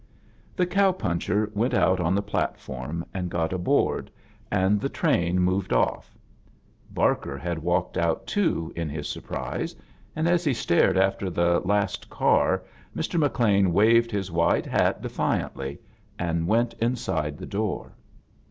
The cow puncher went out on the plat 'form and got aboard, and the train moved A JOURNEY IN SEARCH OF CHRISTHAS off. Barker had walked oat, too. in his surprise, and as he stared after the last car Mr. McLean waved his wide hat de fiantly and went inside the door.